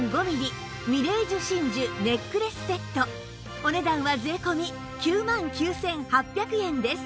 お値段は税込９万９８００円です